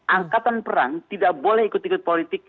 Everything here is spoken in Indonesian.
angkatan perang tidak boleh ikut ikut politik